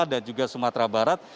dan juga sumatera barat